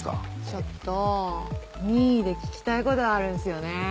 ちょっと任意で聞きたい事あるんですよね。